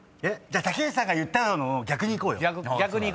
竹内さんが言ったのの逆にいこうよ。